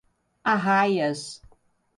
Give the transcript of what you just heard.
Arraias